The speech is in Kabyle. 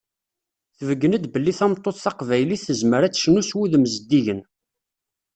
Tbeggen-d belli tameṭṭut taqbaylit tezmer ad tecnu s wudem zeddigen.